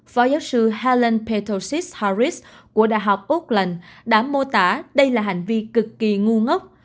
phó giáo sư helen petrosis harris của đại học auckland đã mô tả đây là hành vi cực kỳ ngu ngốc